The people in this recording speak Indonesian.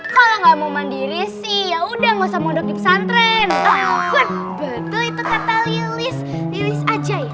kalau nggak mau mandiri sih ya udah nggak mau dokter santren betul itu kata lilis lilis aja